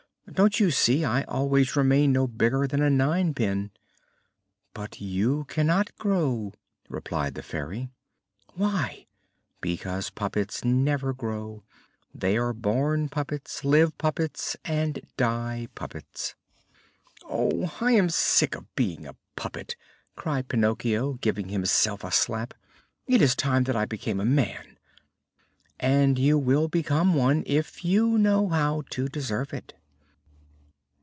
Don't you see? I always remain no bigger than a ninepin." "But you cannot grow," replied the Fairy. "Why?" "Because puppets never grow. They are born puppets, live puppets, and die puppets." "Oh, I am sick of being a puppet!" cried Pinocchio, giving himself a slap. "It is time that I became a man." "And you will become one, if you know how to deserve it."